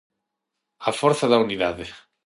A forza da unidade.